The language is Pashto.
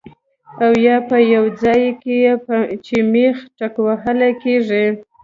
او يا پۀ يو ځائے کې چې مېخ ټکوهلی کيږي